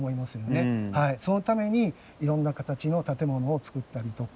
そのためにいろんな形の建物を作ったりとか。